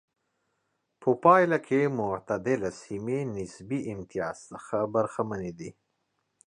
په پایله کې معتدله سیمې نسبي امتیاز څخه برخمنې دي.